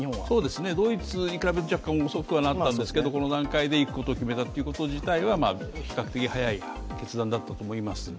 ドイツよりは若干遅くなったんですけど、この段階でいくことを決めたということ自体は、比較的早い決断だったと思います。